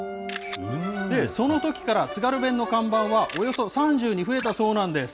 そのときから、津軽弁の看板はおよそ３０に増えたそうなんです。